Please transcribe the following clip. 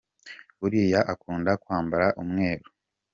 Uriya akunda kwambara umweru.